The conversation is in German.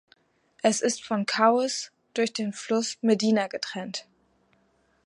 Es ist von Cowes durch den Fluss Medina getrennt.